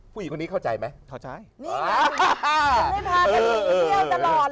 ผู้หญิงคนที่ต้องเข้าใจไหม